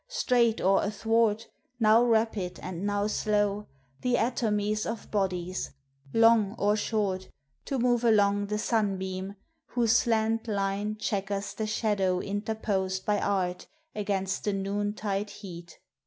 Straight or athwart, now rapid and now slow, The atomies of bodies, long or short, To move along the sunbeam, whose slant line Checkers the shadow interposed by art Against the noontide heat.